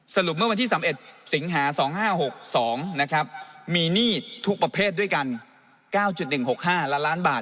สรุปเมื่อวันที่๑๑สิงหา๒๕๖๒นะครับมีหนี้ทุกประเภทด้วยกัน๙๑๖๕ล้านล้านบาท